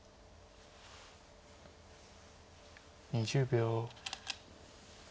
２０秒。